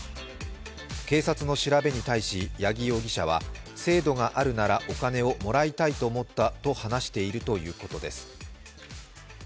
警察の調べに対し矢木容疑者は制度があるならお金をもらいたいと思ったと話しているということです。